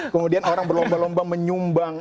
kemudian orang berlomba lomba menyumbang